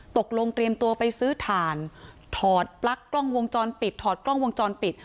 ตกลงเตรียมตัวไปซื้อถ่านถอดปลั๊กกล้องวงจรปิดถอดกล้องวงจรปิด